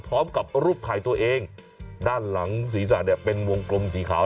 พร้อมกับรูปถ่ายตัวเองด้านหลังศีรษะเนี่ยเป็นวงกลมสีขาว